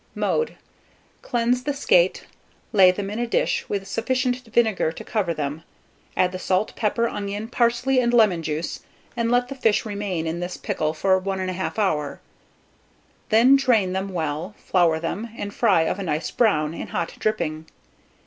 Mode. Cleanse the skate, lay them in a dish, with sufficient vinegar to cover them; add the salt, pepper, onion, parsley, and lemon juice, and let the fish remain in this pickle for 1 1/2 hour. Then drain them well, flour them, and fry of a nice brown, in hot dripping.